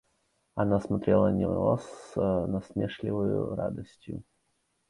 Она смотрела на него с насмешливою радостью.